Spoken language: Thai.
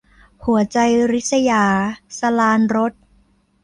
หัวใจริษยา - สราญรส